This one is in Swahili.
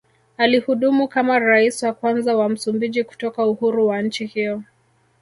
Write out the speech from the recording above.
Alihudumu kama Rais wa kwanza wa Msumbiji kutoka uhuru wa nchi hiyo